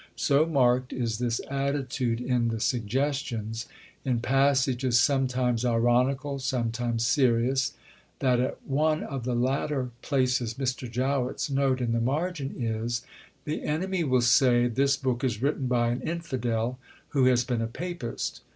So marked is this attitude in the Suggestions in passages sometimes ironical, sometimes serious that at one of the latter places Mr. Jowett's note in the margin is: "The enemy will say, This book is written by an Infidel who has been a Papist.